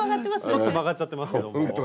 ちょっと曲がっちゃってますけども。